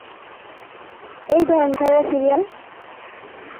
- এই ধরেন ঘরোয়া সিরিয়াল।